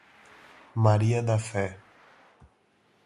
Maria da Fé